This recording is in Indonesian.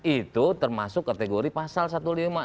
itu termasuk kategori pasal satu ratus lima puluh enam